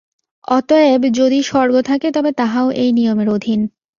অতএব যদি স্বর্গ থাকে, তবে তাহাও এই নিয়মের অধীন।